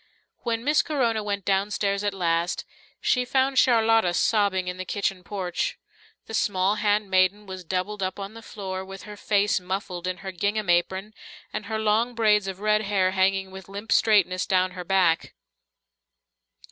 When Miss Corona went downstairs at last, she found Charlotta sobbing in the kitchen porch. The small handmaiden was doubled up on the floor, with her face muffled in her gingham apron and her long braids of red hair hanging with limp straightness down her back.